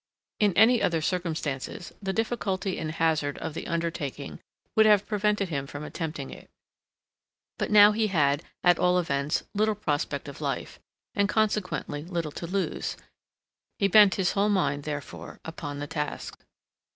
In any other circumstances, the difficulty and hazard of the undertaking would have prevented him from attempting it; but now he had, at all events, little prospect of life, and consequently little to lose, he bent his whole mind, therefore, upon the task.